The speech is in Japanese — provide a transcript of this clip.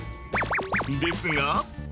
ですが。